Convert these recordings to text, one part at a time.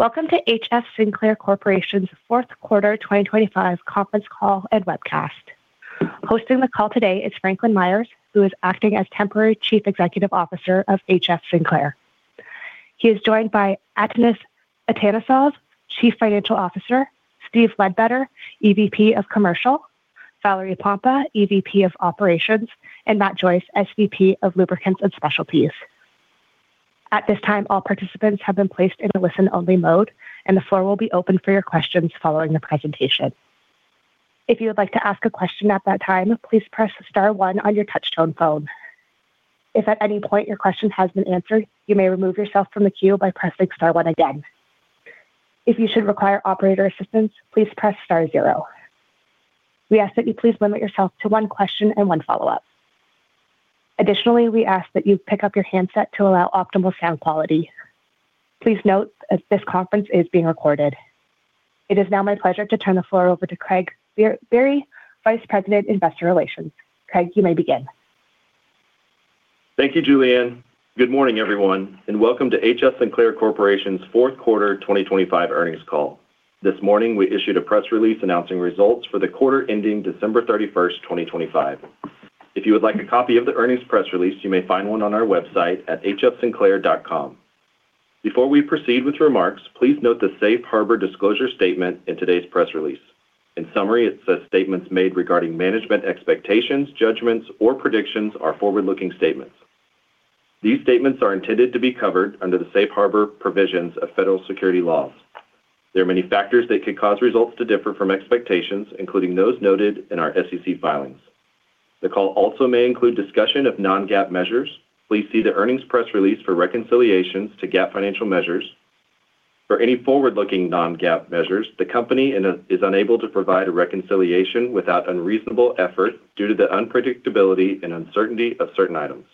Welcome to HF Sinclair Corporation's fourth quarter 2025 conference call and webcast. Hosting the call today is Franklin Myers, who is acting as temporary Chief Executive Officer of HF Sinclair. He is joined by Atanas Atanasov, Chief Financial Officer, Steve Ledbetter, EVP of Commercial, Valerie Pompa, EVP of Operations, and Matt Joyce, SVP of Lubricants and Specialties. At this time, all participants have been placed in a listen-only mode, and the floor will be open for your questions following the presentation. If you would like to ask a question at that time, please press star one on your touchtone phone. If at any point your question has been answered, you may remove yourself from the queue by pressing star one again. If you should require operator assistance, please press star zero. We ask that you please limit yourself to one question and one follow-up. Additionally, we ask that you pick up your handset to allow optimal sound quality. Please note, as this conference is being recorded. It is now my pleasure to turn the floor over to Craig Biery, Vice President, Investor Relations. Craig, you may begin. Thank you, Julianne. Good morning, everyone, and welcome to HF Sinclair Corporation's fourth quarter 2025 earnings call. This morning, we issued a press release announcing results for the quarter ending December 31, 2025. If you would like a copy of the earnings press release, you may find one on our website at hfsinclair.com. Before we proceed with remarks, please note the Safe Harbor disclosure statement in today's press release. In summary, it says, "Statements made regarding management expectations, judgments, or predictions are forward-looking statements. These statements are intended to be covered under the safe harbor provisions of federal securities laws. There are many factors that could cause results to differ from expectations, including those noted in our SEC filings. The call also may include discussion of non-GAAP measures. Please see the earnings press release for reconciliations to GAAP financial measures. For any forward-looking non-GAAP measures, the company is unable to provide a reconciliation without unreasonable effort due to the unpredictability and uncertainty of certain items."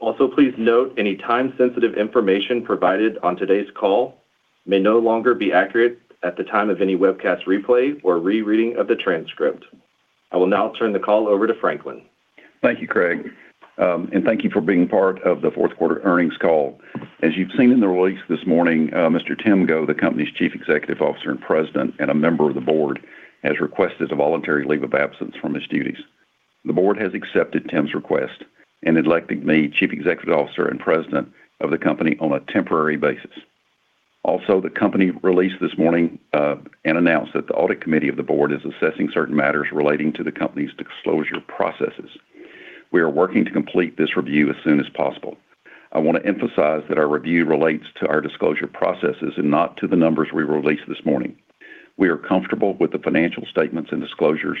Also, please note any time-sensitive information provided on today's call may no longer be accurate at the time of any webcast replay or rereading of the transcript. I will now turn the call over to Franklin. Thank you, Craig, and thank you for being part of the fourth quarter earnings call. As you've seen in the release this morning, Mr. Tim Go, the company's Chief Executive Officer and President and a member of the board, has requested a voluntary leave of absence from his duties. The board has accepted Tim's request and elected me Chief Executive Officer and President of the company on a temporary basis. Also, the company released this morning, and announced that the audit committee of the board is assessing certain matters relating to the company's disclosure processes. We are working to complete this review as soon as possible. I want to emphasize that our review relates to our disclosure processes and not to the numbers we released this morning. We are comfortable with the financial statements and disclosures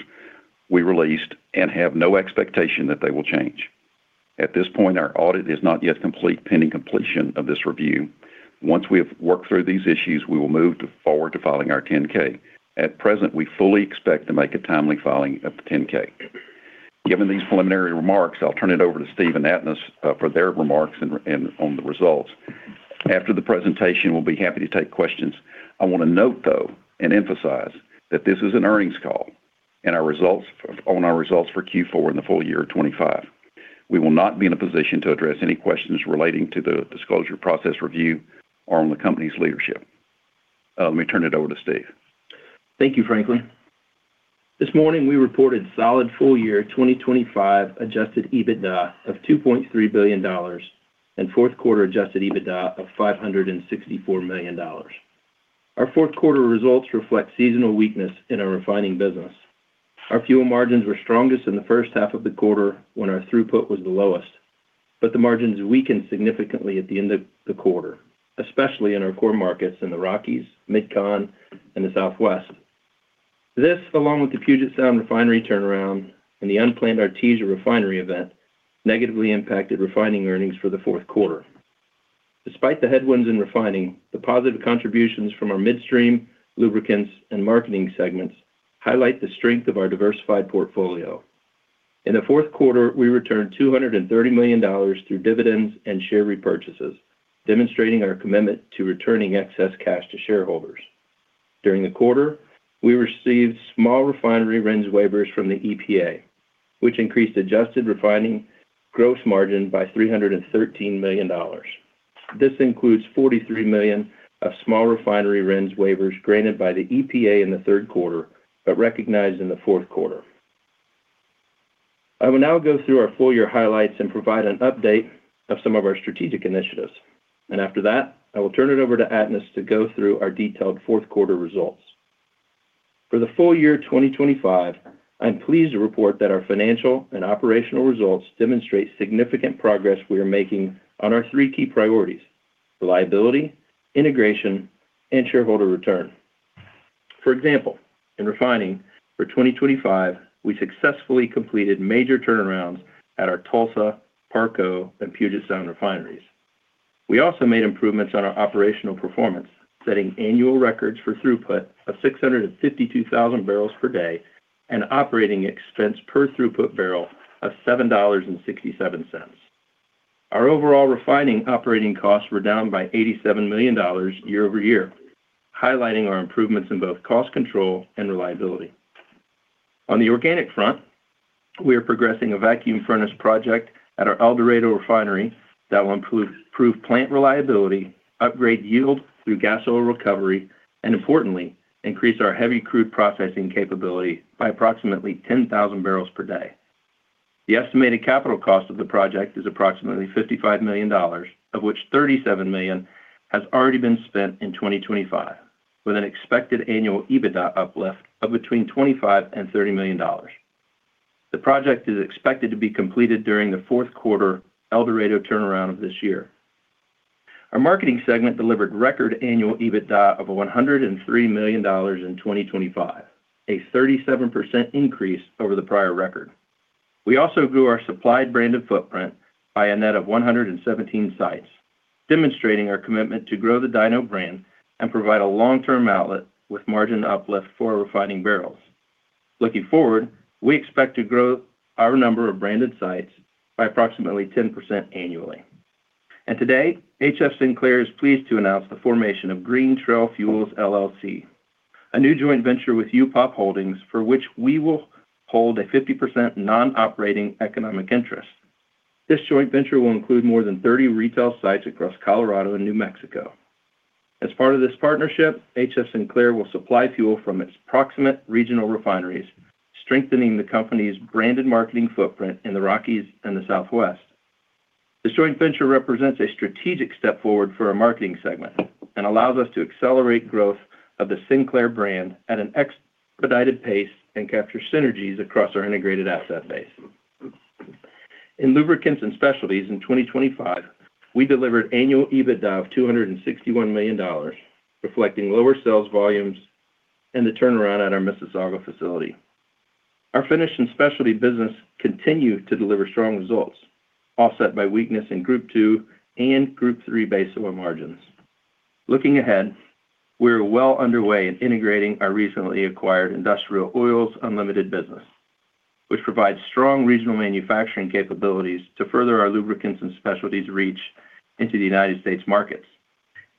we released and have no expectation that they will change. At this point, our audit is not yet complete, pending completion of this review. Once we have worked through these issues, we will move to forward to filing our 10-K. At present, we fully expect to make a timely filing of the 10-K. Given these preliminary remarks, I'll turn it over to Steve and Atanas for their remarks and on the results. After the presentation, we'll be happy to take questions. I want to note, though, and emphasize that this is an earnings call and our results on our results for Q4 and the full year 2025. We will not be in a position to address any questions relating to the disclosure process review or on the company's leadership. Let me turn it over to Steve. Thank you, Franklin. This morning, we reported solid full-year 2025 adjusted EBITDA of $2.3 billion and fourth quarter adjusted EBITDA of $564 million. Our fourth quarter results reflect seasonal weakness in our refining business. Our fuel margins were strongest in the first half of the quarter when our throughput was the lowest, but the margins weakened significantly at the end of the quarter, especially in our core markets in the Rockies, Mid-Con, and the Southwest. This, along with the Puget Sound refinery turnaround and the unplanned Artesia refinery event, negatively impacted refining earnings for the fourth quarter. Despite the headwinds in refining, the positive contributions from our midstream lubricants and marketing segments highlight the strength of our diversified portfolio. In the fourth quarter, we returned $230 million through dividends and share repurchases, demonstrating our commitment to returning excess cash to shareholders. During the quarter, we received small refinery RINs waivers from the EPA, which increased adjusted refining gross margin by $313 million. This includes $43 million of small refinery RINs waivers granted by the EPA in the third quarter, but recognized in the fourth quarter. I will now go through our full year highlights and provide an update of some of our strategic initiatives, and after that, I will turn it over to Atanas to go through our detailed fourth quarter results. For the full year 2025, I'm pleased to report that our financial and operational results demonstrate significant progress we are making on our three key priorities: reliability, integration, and shareholder return. For example, in refining for 2025, we successfully completed major turnarounds at our Tulsa, Parco, and Puget Sound refineries. We also made improvements on our operational performance, setting annual records for throughput of 652,000 barrels per day and operating expense per throughput barrel of $7.67. Our overall refining operating costs were down by $87 million year-over-year, highlighting our improvements in both cost control and reliability.... On the organic front, we are progressing a vacuum furnace project at our El Dorado refinery that will improve plant reliability, upgrade yield through gas oil recovery, and importantly, increase our heavy crude processing capability by approximately 10,000 barrels per day. The estimated capital cost of the project is approximately $55 million, of which $37 million has already been spent in 2025, with an expected annual EBITDA uplift of between $25 million and $30 million. The project is expected to be completed during the fourth quarter El Dorado turnaround of this year. Our marketing segment delivered record annual EBITDA of $103 million in 2025, a 37% increase over the prior record. We also grew our supplied branded footprint by a net of 117 sites, demonstrating our commitment to grow the DINO brand and provide a long-term outlet with margin uplift for our refining barrels. Looking forward, we expect to grow our number of branded sites by approximately 10% annually. Today, HF Sinclair is pleased to announce the formation of Green Trail Fuels, LLC, a new joint venture with UPOP Holdings, for which we will hold a 50% non-operating economic interest. This joint venture will include more than 30 retail sites across Colorado and New Mexico. As part of this partnership, HF Sinclair will supply fuel from its proximate regional refineries, strengthening the company's branded marketing footprint in the Rockies and the Southwest. This joint venture represents a strategic step forward for our marketing segment and allows us to accelerate growth of the Sinclair brand at an expedited pace and capture synergies across our integrated asset base. In lubricants and specialties in 2025, we delivered annual EBITDA of $261 million, reflecting lower sales volumes and the turnaround at our Mississauga facility. Our Finished and Specialty business continued to deliver strong results, offset by weakness in Group II and Group III base oil margins. Looking ahead, we are well underway in integrating our recently acquired Industrial Oils Unlimited business, which provides strong regional manufacturing capabilities to further our lubricants and specialties reach into the United States markets.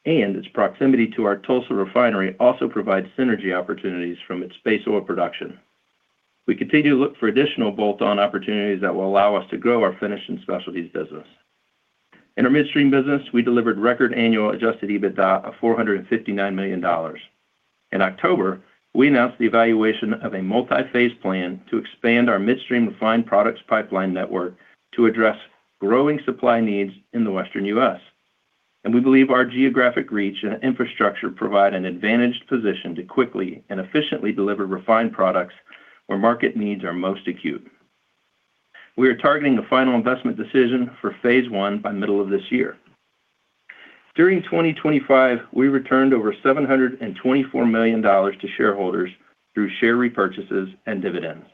Its proximity to our Tulsa refinery also provides synergy opportunities from its base oil production. We continue to look for additional bolt-on opportunities that will allow us to grow our Finished and Specialties business. In our Midstream business, we delivered record annual adjusted EBITDA of $459 million. In October, we announced the evaluation of a multi-phase plan to expand our midstream refined products pipeline network to address growing supply needs in the western U.S. We believe our geographic reach and infrastructure provide an advantaged position to quickly and efficiently deliver refined products where market needs are most acute. We are targeting a final investment decision for phase one by middle of this year. During 2025, we returned over $724 million to shareholders through share repurchases and dividends.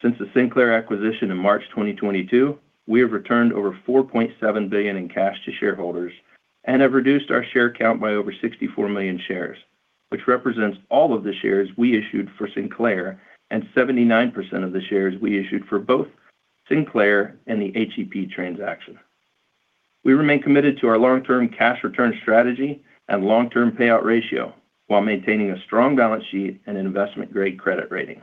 Since the Sinclair acquisition in March 2022, we have returned over $4.7 billion in cash to shareholders and have reduced our share count by over 64 million shares, which represents all of the shares we issued for Sinclair and 79% of the shares we issued for both Sinclair and the HEP transaction. We remain committed to our long-term cash return strategy and long-term payout ratio while maintaining a strong balance sheet and an investment-grade credit rating.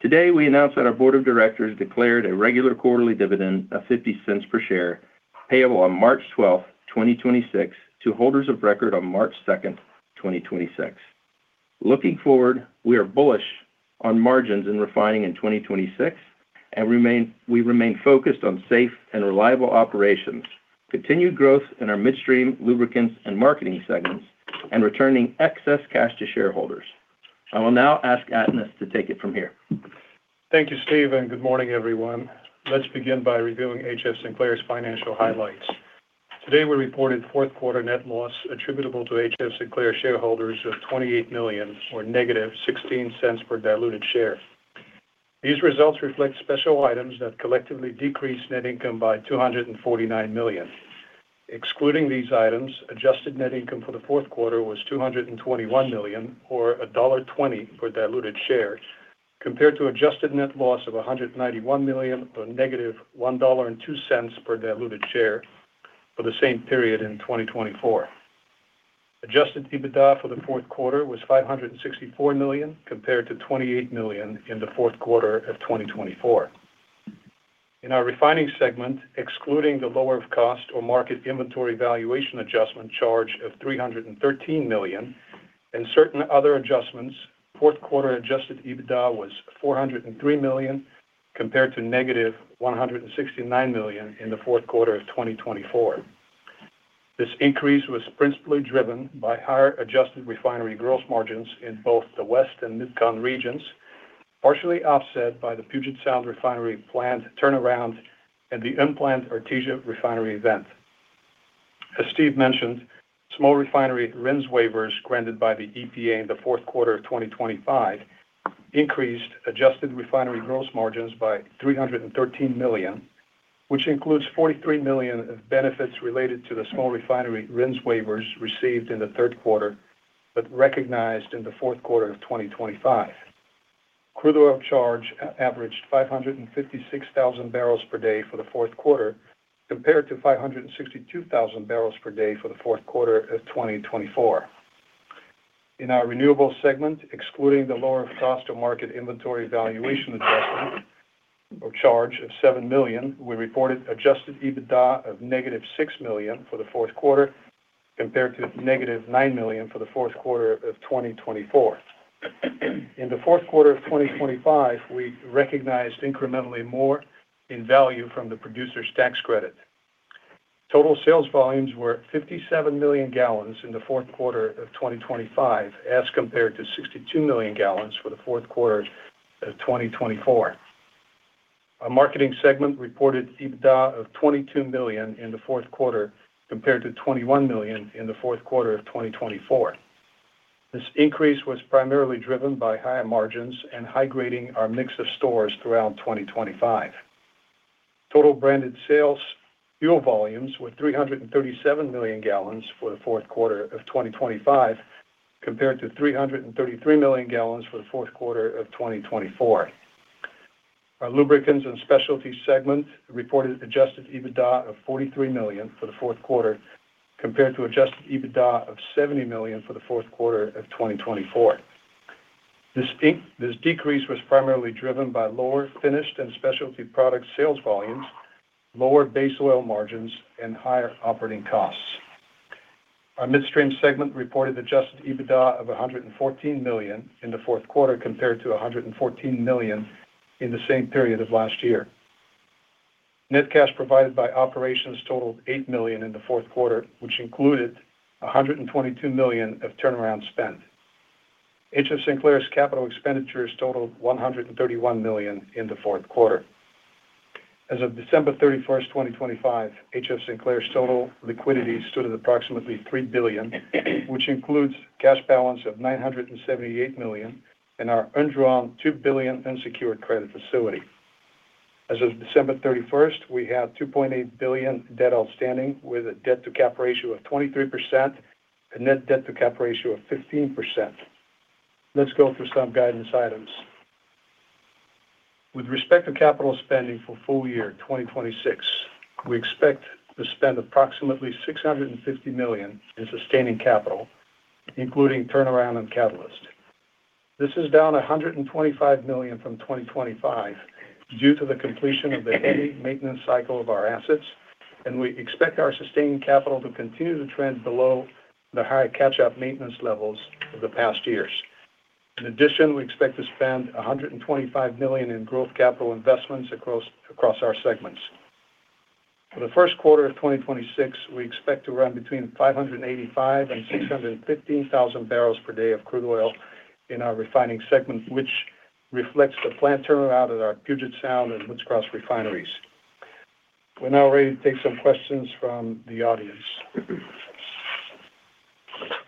Today, we announced that our board of directors declared a regular quarterly dividend of $0.50 per share, payable on March 12th, 2026, to holders of record on March 2nd, 2026. Looking forward, we are bullish on margins in refining in 2026 and we remain focused on safe and reliable operations, continued growth in our midstream lubricants and marketing segments, and returning excess cash to shareholders. I will now ask Atanas to take it from here. Thank you, Steve, and good morning, everyone. Let's begin by reviewing HF Sinclair's financial highlights. Today, we reported fourth quarter net loss attributable to HF Sinclair shareholders of $28 million or negative 16 cents per diluted share. These results reflect special items that collectively decreased net income by $249 million. Excluding these items, adjusted net income for the fourth quarter was $221 million, or $1.20 per diluted share, compared to adjusted net loss of $191 million, or negative $1.02 per diluted share for the same period in 2024. Adjusted EBITDA for the fourth quarter was $564 million, compared to $28 million in the fourth quarter of 2024. In our refining segment, excluding the lower of cost or market inventory valuation adjustment charge of $313 million and certain other adjustments, fourth quarter adjusted EBITDA was $403 million, compared to -$169 million in the fourth quarter of 2024. This increase was principally driven by higher adjusted refinery gross margins in both the West and Mid-Con regions, partially offset by the Puget Sound refinery planned turnaround and the unplanned Artesia refinery event. As Steve mentioned, small refinery RINs waivers granted by the EPA in the fourth quarter of 2025 increased adjusted refinery gross margins by $313 million, which includes $43 million of benefits related to the small refinery RINs waivers received in the third quarter, but recognized in the fourth quarter of 2025. Crude oil charge averaged 556,000 barrels per day for the fourth quarter, compared to 562,000 barrels per day for the fourth quarter of 2024. In our renewables segment, excluding the lower cost of market inventory valuation adjustment or charge of $7 million, we reported adjusted EBITDA of negative $6 million for the fourth quarter, compared to negative $9 million for the fourth quarter of 2024. In the fourth quarter of 2025, we recognized incrementally more in value from the producer's tax credit. Total sales volumes were at 57 million gallons in the fourth quarter of 2025, as compared to 62 million gallons for the fourth quarter of 2024. Our marketing segment reported EBITDA of $22 million in the fourth quarter, compared to $21 million in the fourth quarter of 2024. This increase was primarily driven by higher margins and high grading our mix of stores throughout 2025. Total branded sales fuel volumes were 337 million gallons for the fourth quarter of 2025, compared to 333 million gallons for the fourth quarter of 2024. Our lubricants and specialty segment reported adjusted EBITDA of $43 million for the fourth quarter, compared to adjusted EBITDA of $70 million for the fourth quarter of 2024. This decrease was primarily driven by lower finished and specialty product sales volumes, lower base oil margins, and higher operating costs. Our Midstream segment reported adjusted EBITDA of $114 million in the fourth quarter, compared to $114 million in the same period of last year. Net cash provided by operations totaled $8 million in the fourth quarter, which included $122 million of turnaround spend. HF Sinclair's capital expenditures totaled $131 million in the fourth quarter. As of December 31, 2025, HF Sinclair's total liquidity stood at approximately $3 billion, which includes cash balance of $978 million in our undrawn $2 billion unsecured credit facility. As of December 31st, we have $2.8 billion debt outstanding, with a debt-to-cap ratio of 23% and net debt-to-cap ratio of 15%. Let's go through some guidance items. With respect to capital spending for full year 2026, we expect to spend approximately $650 million in sustaining capital, including turnaround and catalyst. This is down $125 million from 2025 due to the completion of the heavy maintenance cycle of our assets, and we expect our sustained capital to continue to trend below the high catch-up maintenance levels of the past years. In addition, we expect to spend $125 million in growth capital investments across our segments. For the first quarter of 2026, we expect to run between 585,000 and 615,000 barrels per day of crude oil in our refining segment, which reflects the plant turnaround at our Puget Sound and Woods Cross refineries. We're now ready to take some questions from the audience.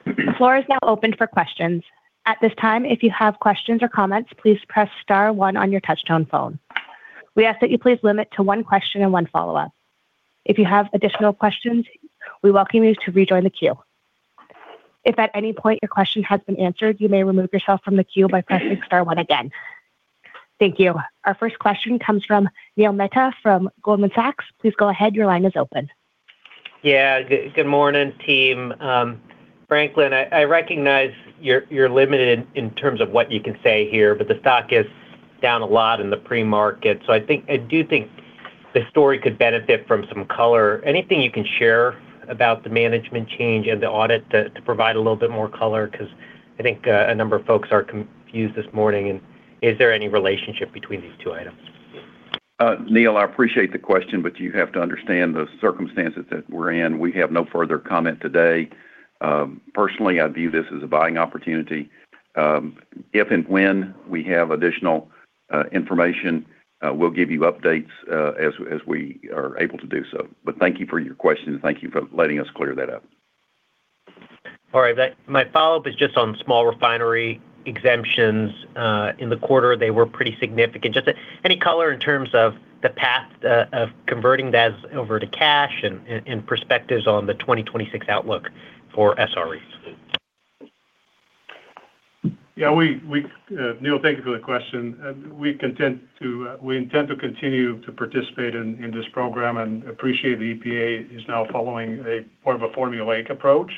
The floor is now open for questions. At this time, if you have questions or comments, please press star one on your touchtone phone. We ask that you please limit to one question and one follow-up. If you have additional questions, we welcome you to rejoin the queue. If at any point your question has been answered, you may remove yourself from the queue by pressing star one again. Thank you. Our first question comes from Neil Mehta from Goldman Sachs. Please go ahead. Your line is open. Yeah, good morning, team. Franklin, I recognize you're limited in terms of what you can say here, but the stock is down a lot in the pre-market, so I think I do think the story could benefit from some color. Anything you can share about the management change and the audit to provide a little bit more color? Because I think a number of folks are confused this morning, and is there any relationship between these two items? Neil, I appreciate the question, but you have to understand the circumstances that we're in. We have no further comment today. Personally, I view this as a buying opportunity. If and when we have additional information, we'll give you updates as we are able to do so. But thank you for your question, and thank you for letting us clear that up. All right. My, my follow-up is just on small refinery exemptions. In the quarter, they were pretty significant. Just any color in terms of the path, of converting that over to cash and, and perspectives on the 2026 outlook for SREs? Yeah, Neil, thank you for the question. We intend to continue to participate in this program and appreciate the EPA is now following a form of a formulaic approach.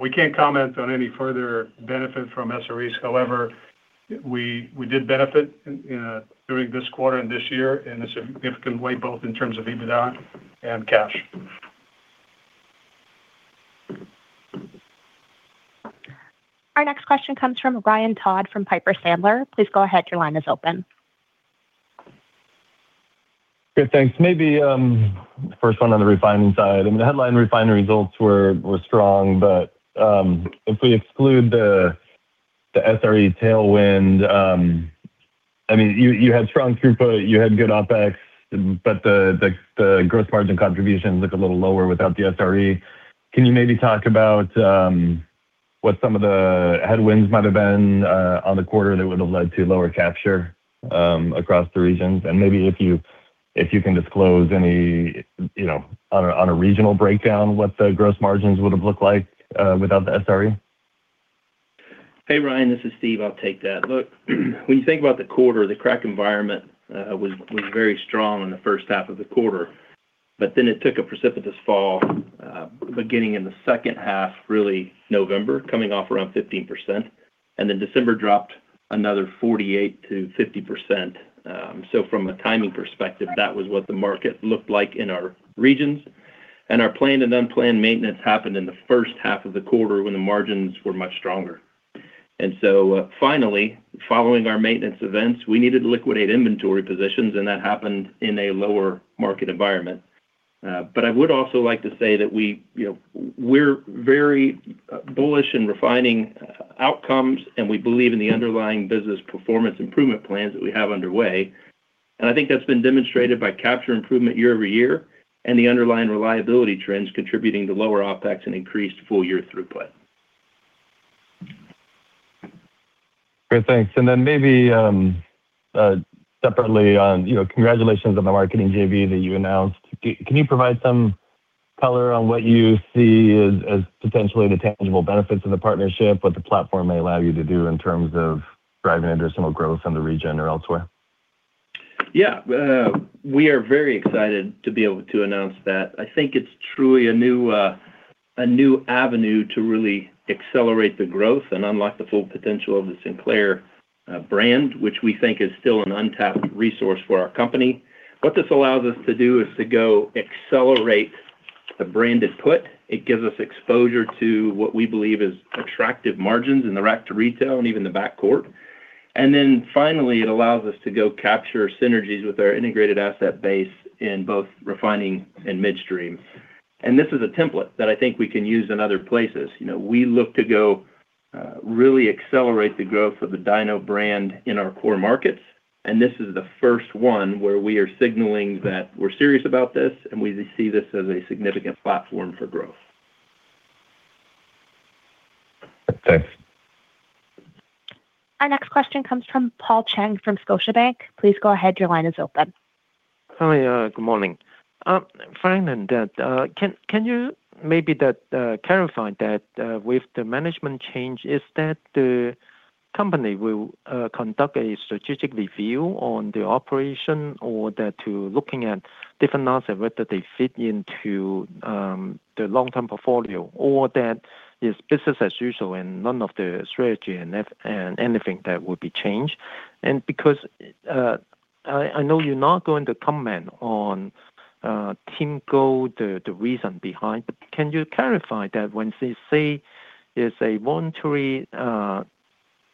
We can't comment on any further benefit from SREs. However, we did benefit during this quarter and this year in a significant way, both in terms of EBITDA and cash. Our next question comes from Ryan Todd, from Piper Sandler. Please go ahead. Your line is open. Good, thanks. Maybe, first one on the refining side. I mean, the headline refinery results were strong, but, if we exclude the SRE tailwind, I mean, you had strong throughput, you had good OpEx, but the gross margin contributions look a little lower without the SRE. Can you maybe talk about what some of the headwinds might have been on the quarter that would have led to lower capture across the regions? And maybe if you can disclose any, you know, on a regional breakdown, what the gross margins would have looked like without the SRE? Hey, Ryan, this is Steve. I'll take that. Look, when you think about the quarter, the crack environment was very strong in the first half of the quarter, but then it took a precipitous fall beginning in the second half, really November, coming off around 15%, and then December dropped another 48%-50%. So from a timing perspective, that was what the market looked like in our regions. Our planned and unplanned maintenance happened in the first half of the quarter when the margins were much stronger. So finally, following our maintenance events, we needed to liquidate inventory positions, and that happened in a lower market environment. But I would also like to say that we, you know, we're very bullish in refining outcomes, and we believe in the underlying business performance improvement plans that we have underway. I think that's been demonstrated by capture improvement year-over-year, and the underlying reliability trends contributing to lower OpEx and increased full-year throughput. Great, thanks. And then maybe, separately on, you know, congratulations on the marketing JV that you announced. Can you provide some color on what you see as potentially the tangible benefits of the partnership, what the platform may allow you to do in terms of driving additional growth on the region or elsewhere? Yeah. We are very excited to be able to announce that. I think it's truly a new, a new avenue to really accelerate the growth and unlock the full potential of the Sinclair brand, which we think is still an untapped resource for our company. What this allows us to do is to go accelerate the branded put. It gives us exposure to what we believe is attractive margins in the rack-to-retail and even the backcourt. And then finally, it allows us to go capture synergies with our integrated asset base in both Refining and Midstream. And this is a template that I think we can use in other places. You know, we look to go really accelerate the growth of the DINO brand in our core markets, and this is the first one where we are signaling that we're serious about this, and we see this as a significant platform for growth. Thanks. Our next question comes from Paul Cheng from Scotiabank. Please go ahead, your line is open. Hi. Good morning. Frank and Dan, can you maybe clarify that, with the management change, is that the company will conduct a strategic review on the operation or that to looking at different asset, whether they fit into the long-term portfolio, or that it's business as usual and none of the strategy and that, and anything that would be changed? Because I know you're not going to comment on Tim Go, the reason behind, but can you clarify that when CC is a voluntary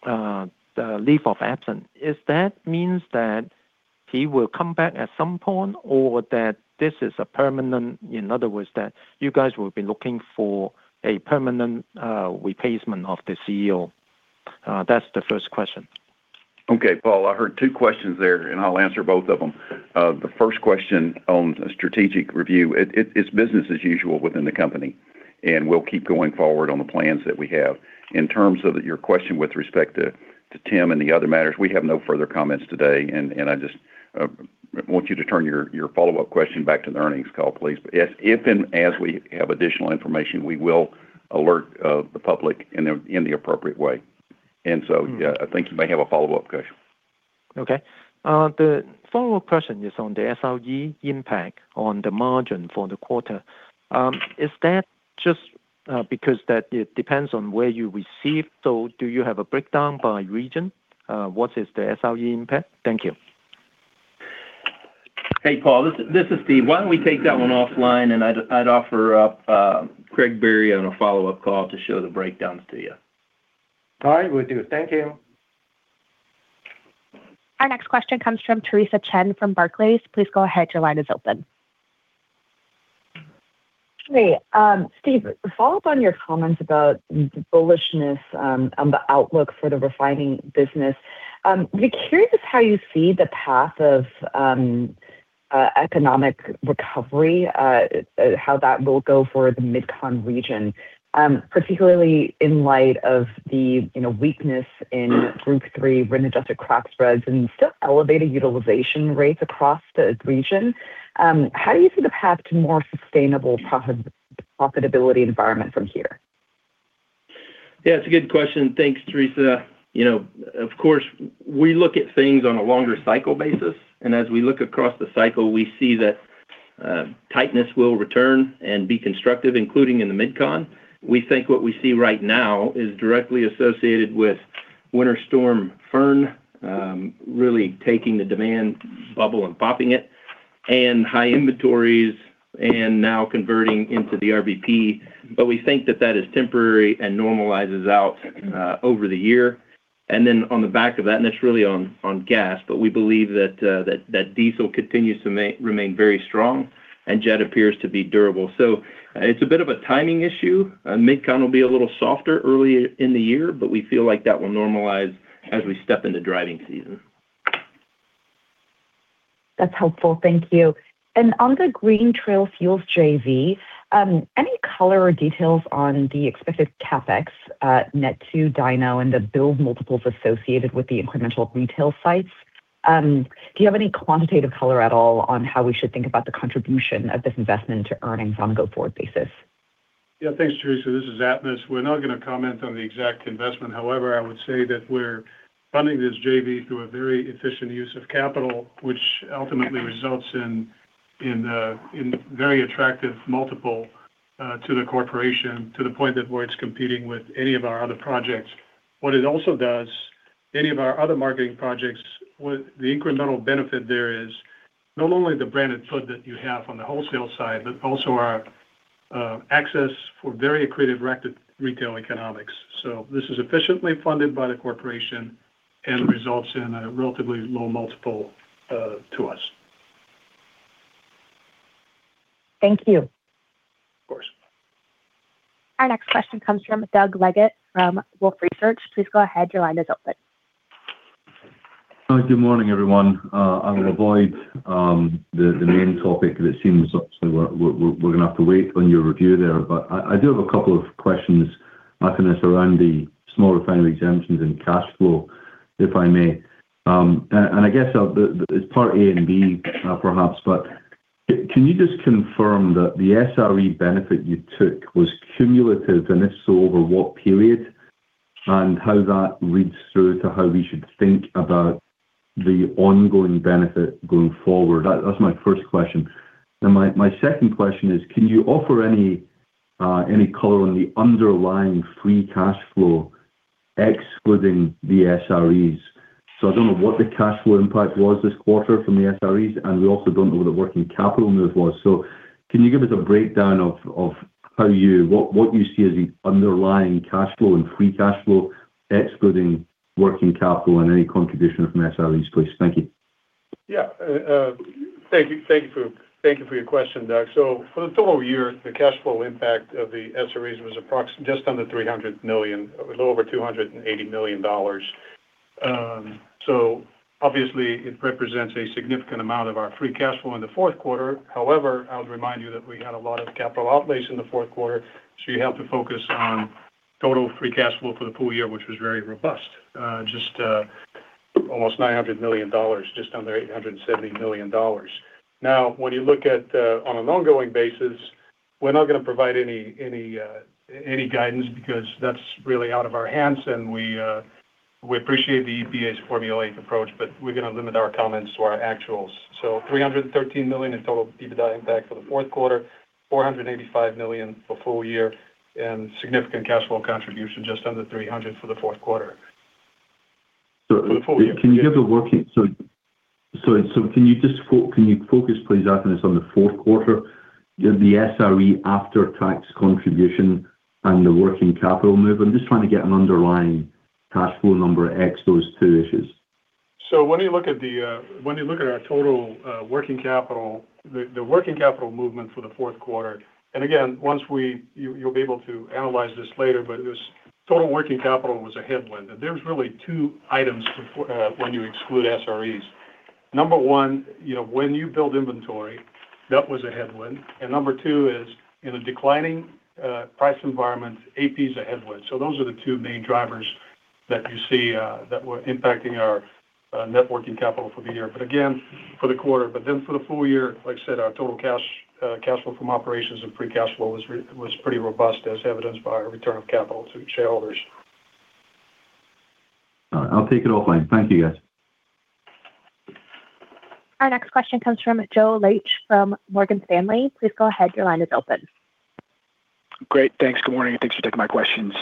leave of absence, if that means that he will come back at some point or that this is a permanent, in other words, that you guys will be looking for a permanent replacement of the CEO? That's the first question. Okay, Paul, I heard two questions there, and I'll answer both of them. The first question on strategic review, it's business as usual within the company, and we'll keep going forward on the plans that we have. In terms of your question with respect to Tim and the other matters, we have no further comments today, and I just want you to turn your follow-up question back to the earnings call, please. But if and as we have additional information, we will alert the public in the appropriate way. And so, I think you may have a follow-up question. Okay. The follow-up question is on the SRE impact on the margin for the quarter. Is that just because that it depends on where you receive, so do you have a breakdown by region? What is the SRE impact? Thank you. Hey, Paul, this is Steve. Why don't we take that one offline, and I'd offer up Craig Biery on a follow-up call to show the breakdowns to you. All right, will do. Thank you. Our next question comes from Theresa Chen from Barclays. Please go ahead. Your line is open. Hey, Steve, to follow up on your comments about the bullishness on the outlook for the refining business, we're curious how you see the path of economic recovery, how that will go for the Mid-Con region, particularly in light of the, you know, weakness in Group III adjusted crack spreads and still elevated utilization rates across the region. How do you see the path to more sustainable profitability environment from here? Yeah, it's a good question. Thanks, Theresa. You know, of course, we look at things on a longer cycle basis, and as we look across the cycle, we see that tightness will return and be constructive, including in the Mid-Con. We think what we see right now is directly associated with Winter Storm Fern really taking the demand bubble and popping it, and high inventories and now converting into the RVP. But we think that that is temporary and normalizes out over the year. And then on the back of that, and that's really on, on gas, but we believe that that diesel continues to may remain very strong, and jet appears to be durable. So it's a bit of a timing issue. Mid-Con will be a little softer early in the year, but we feel like that will normalize as we step into driving season. That's helpful. Thank you. And on the Green Trail Fuels JV, any color or details on the expected CapEx, net to DINO and the build multiples associated with the incremental retail sites?... Do you have any quantitative color at all on how we should think about the contribution of this investment to earnings on a go-forward basis? Yeah, thanks, Theresa. This is Atanas. We're not going to comment on the exact investment. However, I would say that we're funding this JV through a very efficient use of capital, which ultimately results in a very attractive multiple to the corporation, to the point that where it's competing with any of our other projects. What it also does, any of our other marketing projects, with the incremental benefit there is not only the branded foot that you have on the wholesale side, but also our access for very accretive retail economics. So this is efficiently funded by the corporation and results in a relatively low multiple to us. Thank you. Of course. Our next question comes from Doug Leggate from Wolfe Research. Please go ahead. Your line is open. Hi, good morning, everyone. I will avoid the main topic, it seems obviously we're going to have to wait on your review there. But I do have a couple of questions, Atanas, around the small refinery exemptions and cash flow, if I may. And I guess it's part A and B, perhaps, but can you just confirm that the SRE benefit you took was cumulative, and if so, over what period? And how that reads through to how we should think about the ongoing benefit going forward? That's my first question. Then my second question is, can you offer any color on the underlying free cash flow, excluding the SREs? So I don't know what the cash flow impact was this quarter from the SREs, and we also don't know what the working capital move was. So can you give us a breakdown of how you—what you see as the underlying cash flow and free cash flow, excluding working capital and any contribution from SREs, please? Thank you. Yeah. Thank you. Thank you for, thank you for your question, Doug. So for the total year, the cash flow impact of the SREs was just under $300 million, a little over $280 million. So obviously it represents a significant amount of our free cash flow in the fourth quarter. However, I would remind you that we had a lot of capital outlays in the fourth quarter, so you have to focus on total free cash flow for the full year, which was very robust, just, almost $900 million, just under $870 million. Now, when you look at, on an ongoing basis, we're not going to provide any, any, any guidance because that's really out of our hands, and we, we appreciate the EPA's formulaic approach, but we're going to limit our comments to our actuals. So $313 million in total EBITDA impact for the fourth quarter, $485 million for full year, and significant cash flow contribution, just under $300 for the fourth quarter. So... For the full year. Can you focus, please, Atanas, on the fourth quarter, the SRE after-tax contribution and the working capital move? I'm just trying to get an underlying cash flow number, excluding those two issues. So when you look at our total working capital, the working capital movement for the fourth quarter, and again, you'll be able to analyze this later, but this total working capital was a headwind, and there's really two items to, when you exclude SREs. Number one, you know, when you build inventory, that was a headwind. And number two is, in a declining price environment, AP is a headwind. So those are the two main drivers that you see, that were impacting our net working capital for the year. But again, for the quarter, but then for the full year, like I said, our total cash cash flow from operations and free cash flow was was pretty robust, as evidenced by our return of capital to shareholders. All right. I'll take it offline. Thank you, guys. Our next question comes from Joe Laetsch from Morgan Stanley. Please go ahead. Your line is open. Great. Thanks. Good morning, and thanks for taking my questions.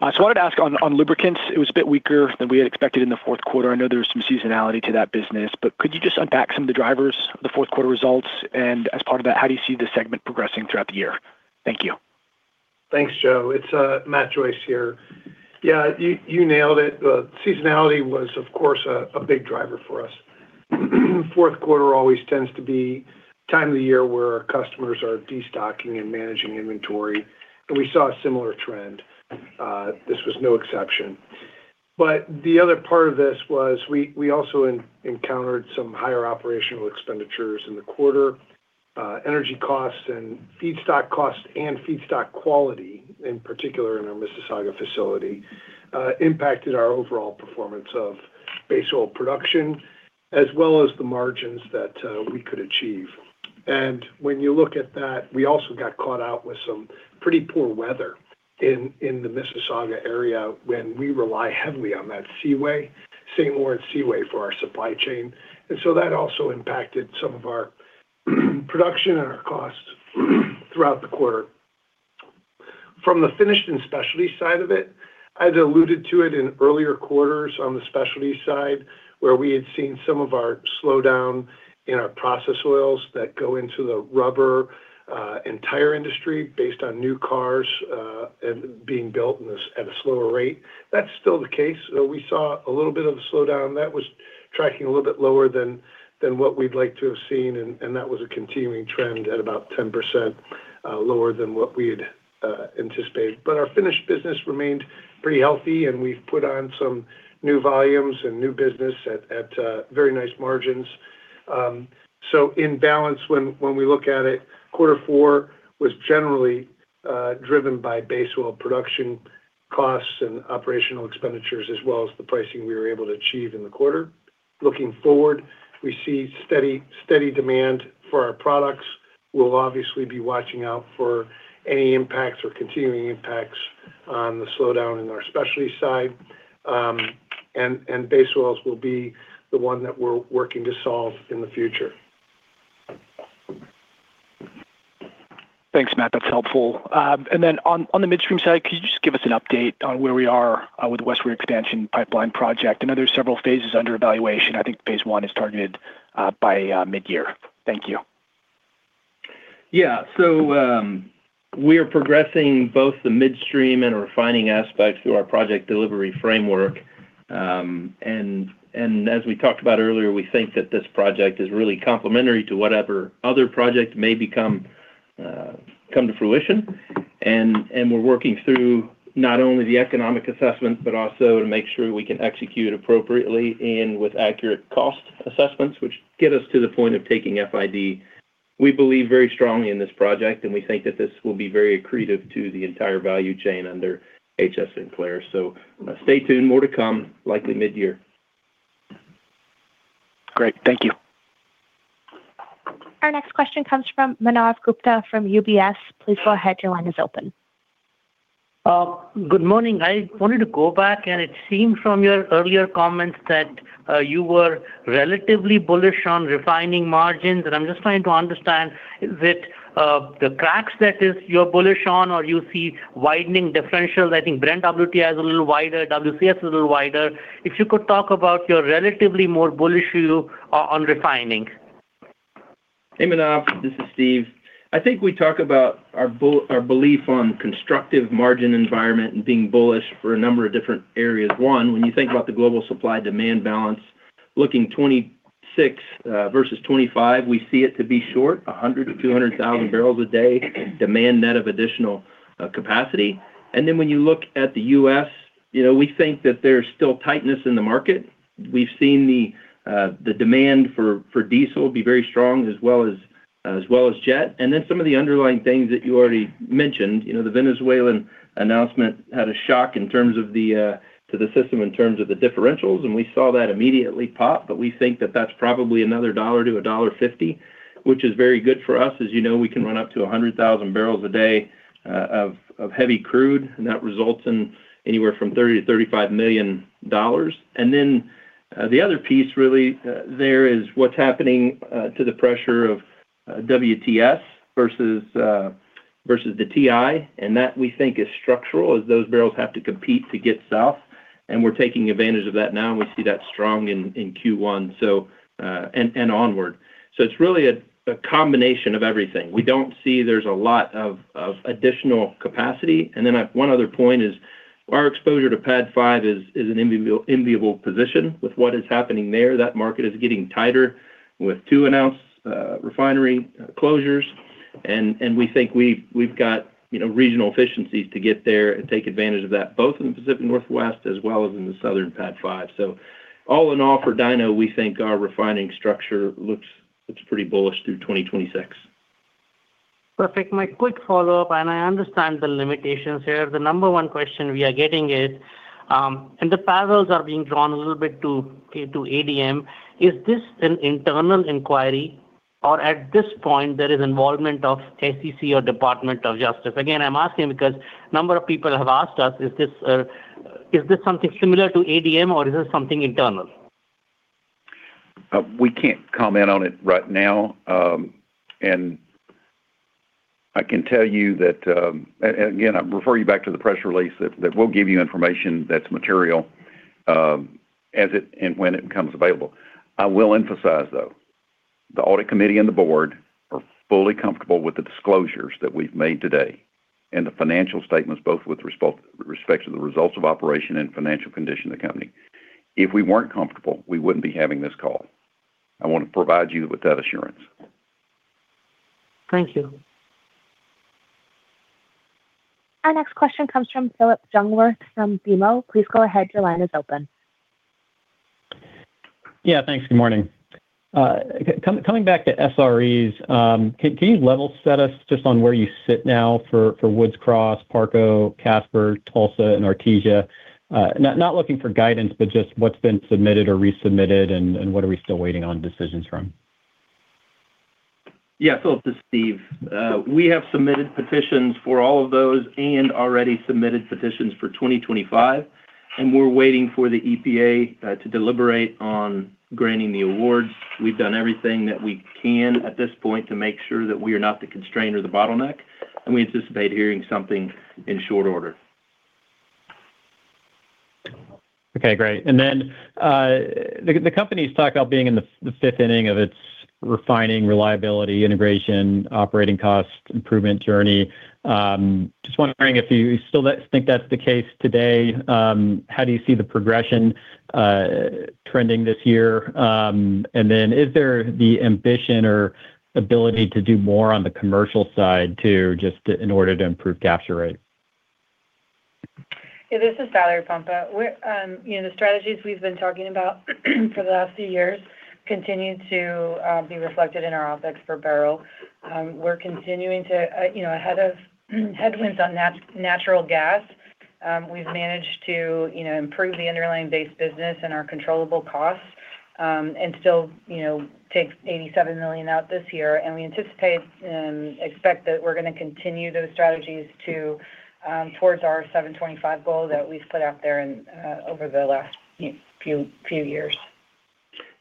I just wanted to ask on lubricants, it was a bit weaker than we had expected in the fourth quarter. I know there was some seasonality to that business, but could you just unpack some of the drivers, the fourth quarter results? And as part of that, how do you see the segment progressing throughout the year? Thank you. Thanks, Joe. It's Matt Joyce here. Yeah, you nailed it. Seasonality was, of course, a big driver for us. Fourth quarter always tends to be time of the year where our customers are destocking and managing inventory, and we saw a similar trend. This was no exception. But the other part of this was we also encountered some higher operational expenditures in the quarter. Energy costs and feedstock costs and feedstock quality, in particular in our Mississauga facility, impacted our overall performance of base oil production, as well as the margins that we could achieve. And when you look at that, we also got caught out with some pretty poor weather in the Mississauga area, when we rely heavily on that seaway, St. Lawrence Seaway, for our supply chain. And so that also impacted some of our production and our costs throughout the quarter. From the finished and specialty side of it, I'd alluded to it in earlier quarters on the specialty side, where we had seen some of our slowdown in our process oils that go into the rubber and tire industry based on new cars and being built at a slower rate. That's still the case. We saw a little bit of a slowdown that was tracking a little bit lower than what we'd like to have seen, and that was a continuing trend at about 10% lower than what we had anticipated. But our finished business remained pretty healthy, and we've put on some new volumes and new business at very nice margins. So in balance, when we look at it, quarter four was generally driven by base oil production costs and operational expenditures, as well as the pricing we were able to achieve in the quarter. Looking forward, we see steady demand for our products. We'll obviously be watching out for any impacts or continuing impacts on the slowdown in our specialty side. Base oils will be the one that we're working to solve in the future. Thanks, Matt. That's helpful. And then on the midstream side, could you just give us an update on where we are with the Western extension pipeline project? I know there are several phases under evaluation. I think phase one is targeted by mid-year. Thank you. Yeah. So, we are progressing both the midstream and refining aspects through our project delivery framework. And, as we talked about earlier, we think that this project is really complementary to whatever other project may become, come to fruition. And, we're working through not only the economic assessment, but also to make sure we can execute appropriately and with accurate cost assessments, which get us to the point of taking FID. We believe very strongly in this project, and we think that this will be very accretive to the entire value chain under HF Sinclair. So stay tuned. More to come, likely mid-year. Great. Thank you. Our next question comes from Manav Gupta from UBS. Please go ahead. Your line is open. Good morning. I wanted to go back, and it seemed from your earlier comments that you were relatively bullish on refining margins. I'm just trying to understand that, the cracks that is you're bullish on or you see widening differentials. I think Brent WTI is a little wider, WCS is a little wider. If you could talk about you're relatively more bullish on, on refining. Hey, Manav, this is Steve. I think we talk about our belief on constructive margin environment and being bullish for a number of different areas. One, when you think about the global supply-demand balance, looking 2026 versus 2025, we see it to be short, 100-200,000 barrels a day, demand net of additional capacity. And then when you look at the U.S., you know, we think that there's still tightness in the market. We've seen the demand for diesel be very strong, as well as jet. And then some of the underlying things that you already mentioned, you know, the Venezuelan announcement had a shock in terms of the to the system, in terms of the differentials, and we saw that immediately pop. But we think that that's probably another $1-$1.50, which is very good for us. As you know, we can run up to 100,000 barrels a day of heavy crude, and that results in anywhere from $30 million-$35 million. And then the other piece, really, there is what's happening to the pressure of WCS versus WTI, and that, we think, is structural, as those barrels have to compete to get south, and we're taking advantage of that now, and we see that strong in Q1, so... And onward. So it's really a combination of everything. We don't see there's a lot of additional capacity. And then one other point is our exposure to PADD 5 is an enviable position with what is happening there. That market is getting tighter with two announced refinery closures, and we think we've got, you know, regional efficiencies to get there and take advantage of that, both in the Pacific Northwest as well as in the southern PADD 5. So all in all, for DINO, we think our refining structure looks pretty bullish through 2026. Perfect. My quick follow-up, and I understand the limitations here. The number one question we are getting is, and the parallels are being drawn a little bit to, to ADM: Is this an internal inquiry, or at this point, there is involvement of SEC or Department of Justice? Again, I'm asking because a number of people have asked us, is this, is this something similar to ADM, or is this something internal? We can't comment on it right now, and I can tell you that... Again, I refer you back to the press release that, that will give you information that's material, as it and when it becomes available. I will emphasize, though, the audit committee and the board are fully comfortable with the disclosures that we've made today and the financial statements, both with respect to the results of operation and financial condition of the company. If we weren't comfortable, we wouldn't be having this call. I want to provide you with that assurance. Thank you. Our next question comes from Philip Jungwirth, from BMO. Please go ahead. Your line is open. Yeah, thanks. Good morning. Coming back to SREs, can you level set us just on where you sit now for Woods Cross, Parco, Casper, Tulsa, and Artesia? Not looking for guidance, but just what's been submitted or resubmitted and what are we still waiting on decisions from? Yeah. So this is Steve. We have submitted petitions for all of those and already submitted petitions for 2025, and we're waiting for the EPA to deliberate on granting the awards. We've done everything that we can at this point to make sure that we are not the constraint or the bottleneck, and we anticipate hearing something in short order. Okay, great. The company's talked about being in the fifth inning of its refining reliability, integration, operating cost improvement journey. Just wondering if you still think that's the case today? How do you see the progression trending this year? And then is there the ambition or ability to do more on the commercial side, too, just in order to improve capture rate? Hey, this is Valerie Pompa. We're, you know, the strategies we've been talking about for the last few years continue to be reflected in our OpEx for barrel. We're continuing to, you know, ahead of headwinds on natural gas. We've managed to, you know, improve the underlying base business and our controllable costs, and still, you know, take $87 million out this year. And we anticipate and expect that we're gonna continue those strategies towards our $725 goal that we've put out there in over the last few years.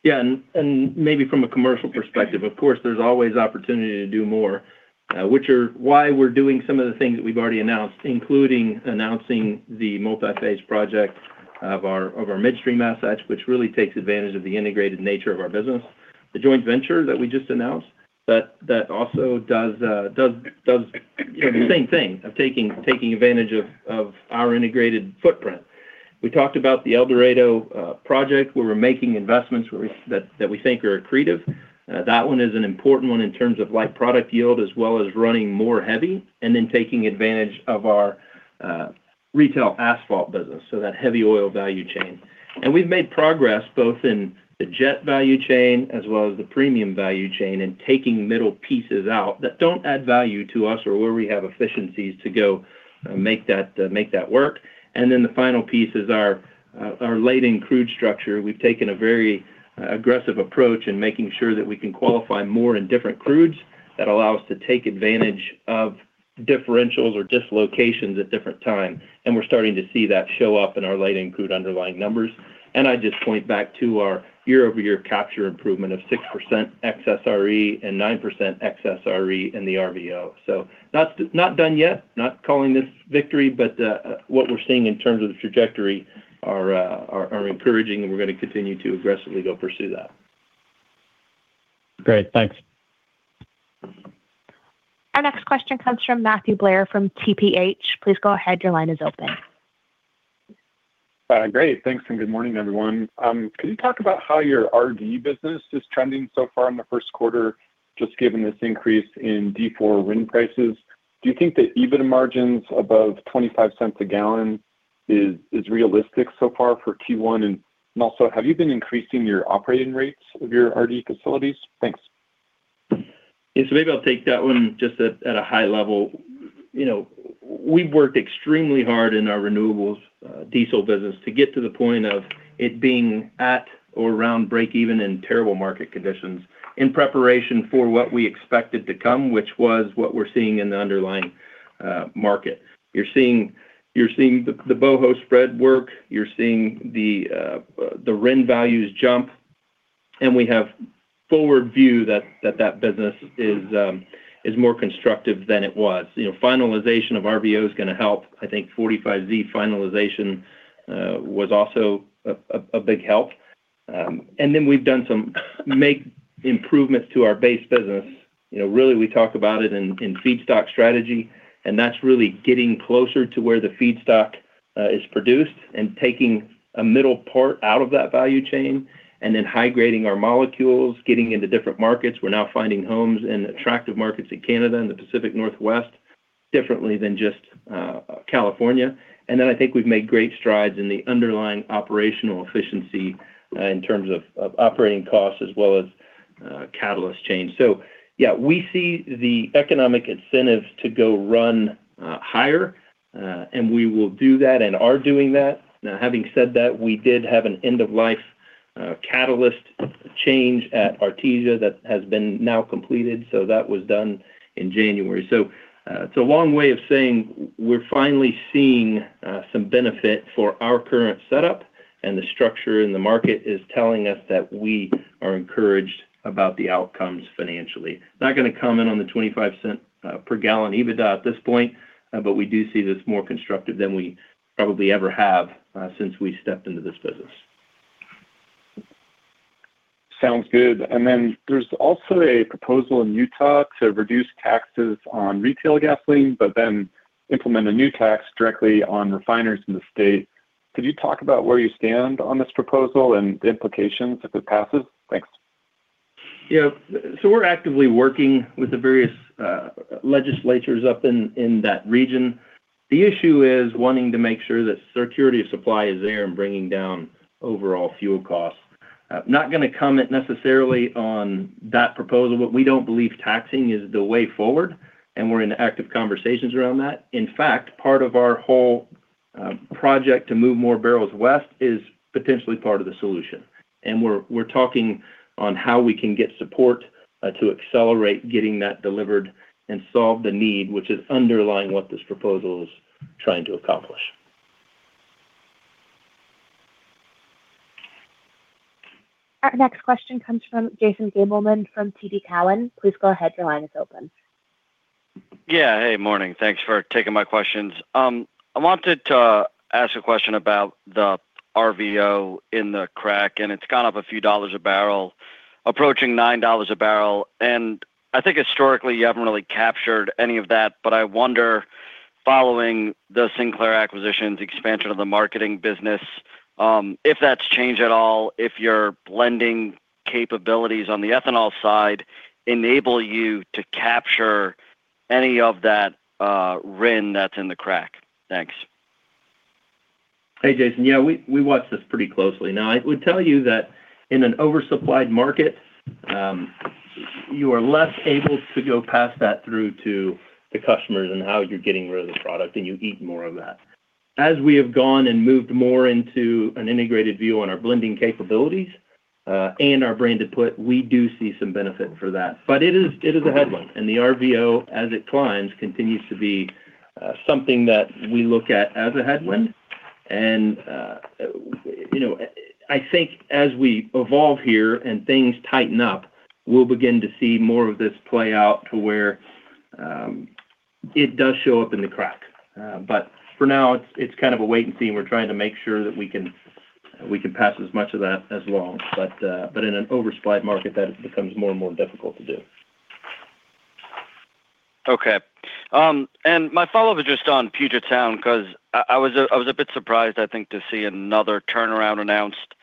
Yeah, maybe from a commercial perspective, of course, there's always opportunity to do more, which are why we're doing some of the things that we've already announced, including announcing the multi-phase project of our midstream assets, which really takes advantage of the integrated nature of our business. The joint venture that we just announced, that also does, you know, the same thing of taking advantage of our integrated footprint. We talked about the El Dorado project, where we're making investments that we think are accretive. That one is an important one in terms of light product yield, as well as running more heavy, and then taking advantage of our retail asphalt business, so that heavy oil value chain. We've made progress both in the jet value chain as well as the premium value chain, and taking middle pieces out that don't add value to us or where we have efficiencies to go, make that, make that work. And then the final piece is our, our slating crude structure. We've taken a very aggressive approach in making sure that we can qualify more and different crudes that allow us to take advantage of differentials or dislocations at different times, and we're starting to see that show up in our slating crude underlying numbers. And I just point back to our year-over-year capture improvement of 6% excess RIN and 9% excess RIN in the RVO. So that's not done yet, not calling this victory, but what we're seeing in terms of the trajectory are encouraging, and we're gonna continue to aggressively go pursue that. Great. Thanks. Our next question comes from Matthew Blair from TPH. Please go ahead. Your line is open. Great. Thanks, and good morning, everyone. Can you talk about how your RD business is trending so far in the first quarter, just given this increase in D4 RIN prices? Do you think that EBITDA margins above $0.25 a gallon is realistic so far for Q1? Also, have you been increasing your operating rates of your RD facilities? Thanks. Yeah. So maybe I'll take that one just at a high level. You know, we've worked extremely hard in our renewables diesel business to get to the point of it being at or around breakeven in terrible market conditions, in preparation for what we expected to come, which was what we're seeing in the underlying market. You're seeing the BOHO spread work, you're seeing the RIN values jump, and we have forward view that that business is more constructive than it was. You know, finalization of RVO is gonna help. I think 45Z finalization was also a big help. And then we've done some make improvements to our base business. You know, really, we talk about it in, in feedstock strategy, and that's really getting closer to where the feedstock is produced and taking a middle part out of that value chain, and then high-grading our molecules, getting into different markets. We're now finding homes in attractive markets in Canada and the Pacific Northwest, differently than just California. And then I think we've made great strides in the underlying operational efficiency in terms of, of operating costs as well as catalyst change. So yeah, we see the economic incentives to go run higher, and we will do that and are doing that. Now, having said that, we did have an end-of-life catalyst change at Artesia that has been now completed, so that was done in January. So, it's a long way of saying we're finally seeing some benefit for our current setup, and the structure in the market is telling us that we are encouraged about the outcomes financially. Not gonna comment on the $0.25 per gallon EBITDA at this point, but we do see this more constructive than we probably ever have since we stepped into this business. Sounds good. Then there's also a proposal in Utah to reduce taxes on retail gasoline, but then implement a new tax directly on refineries in the state. Could you talk about where you stand on this proposal and the implications if it passes? Thanks. Yeah. So we're actively working with the various legislatures up in that region. The issue is wanting to make sure that security of supply is there and bringing down overall fuel costs. Not gonna comment necessarily on that proposal, but we don't believe taxing is the way forward, and we're in active conversations around that. In fact, part of our whole project to move more barrels west is potentially part of the solution. And we're talking on how we can get support to accelerate getting that delivered and solve the need, which is underlying what this proposal is trying to accomplish. Our next question comes from Jason Gabelman from TD Cowen. Please go ahead. Your line is open. Yeah. Hey, morning. Thanks for taking my questions. I wanted to ask a question about the RVO in the crack, and it's gone up a few dollars a barrel, approaching $9 a barrel. And I think historically, you haven't really captured any of that, but I wonder, following the Sinclair acquisition, the expansion of the marketing business, if that's changed at all, if your blending capabilities on the ethanol side enable you to capture any of that, RIN that's in the crack? Thanks. Hey, Jason. Yeah, we watch this pretty closely. Now, I would tell you that in an oversupplied market, you are less able to go pass that through to the customers and how you're getting rid of the product, and you eat more of that. As we have gone and moved more into an integrated view on our blending capabilities, and our branded outlets, we do see some benefit for that. But it is, it is a headwind, and the RVO, as it climbs, continues to be, something that we look at as a headwind. And, you know, I think as we evolve here and things tighten up, we'll begin to see more of this play out to where, it does show up in the crack. But for now, it's, it's kind of a wait and see, and we're trying to make sure that we can, we can pass as much of that as well. But, but in an oversupplied market, that becomes more and more difficult to do. Okay. And my follow-up is just on Puget Sound, 'cause I was a bit surprised, I think, to see another turnaround announced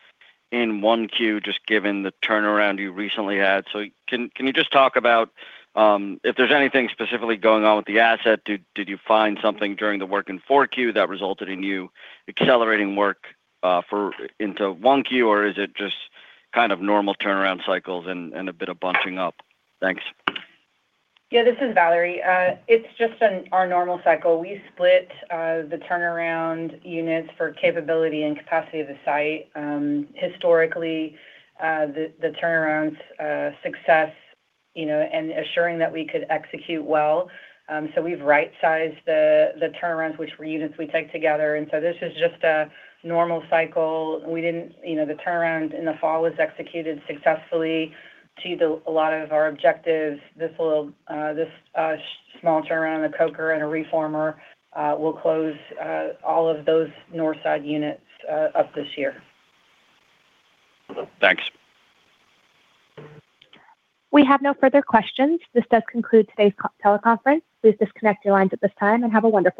in 1Q, just given the turnaround you recently had. So can you just talk about if there's anything specifically going on with the asset? Did you find something during the work in 4Q that resulted in you accelerating work into 1Q? Or is it just kind of normal turnaround cycles and a bit of bunching up? Thanks. Yeah, this is Valerie. It's just our normal cycle. We split the turnaround units for capability and capacity of the site. Historically, the turnaround success, you know, and ensuring that we could execute well. So we've right-sized the turnarounds, which were units we take together, and so this is just a normal cycle. We didn't, you know, the turnaround in the fall was executed successfully, achieved a lot of our objectives. This little, this small turnaround, a coker and a reformer, will close all of those north side units up this year. Thanks. We have no further questions. This does conclude today's teleconference. Please disconnect your lines at this time, and have a wonderful day.